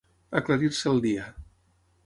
Aclarir-se el dia.